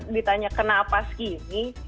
ditanya kenapa skinny ini